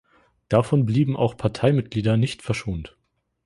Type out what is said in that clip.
Davon blieben auch Parteimitglieder nicht verschont.